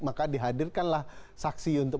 maka dihadirkanlah saksi untuk